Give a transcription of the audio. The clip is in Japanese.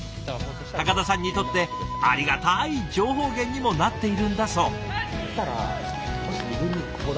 高田さんにとってありがたい情報源にもなっているんだそう。